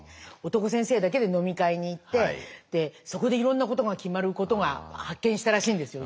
男先生だけで飲み会に行ってそこでいろんなことが決まることが発見したらしいんですよ